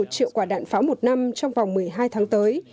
một triệu quả đạn pháo một năm trong vòng một mươi hai tháng tới